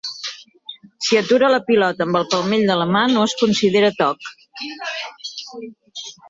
Si atura la pilota amb el palmell de la mà no es considera toc.